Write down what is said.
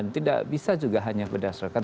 tidak bisa juga hanya berdasarkan